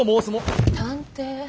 探偵？